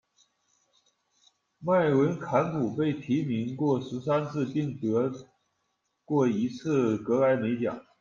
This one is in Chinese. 麦伦坎普被提名过十三次并得过一次葛莱美奖。